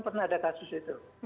pernah ada kasus itu